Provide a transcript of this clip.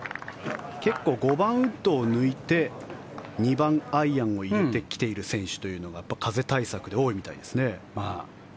結構、５番ウッドを抜いて２番アイアンを入れてきている選手というのがやっぱり風対策で多いみたいですね。